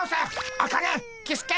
アカネキスケ！